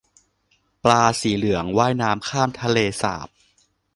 ปลาสีเหลืองว่ายน้ำข้ามทะเลสาบ